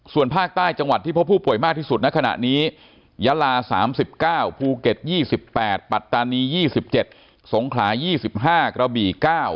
ส่วนภาคใต้จังหวัดที่พบผู้ป่วยมากที่สุดในขณะนี้ยาลา๓๙ภูเก็ต๒๘ปัตตานี๒๗สงขลา๒๕กระบี่๙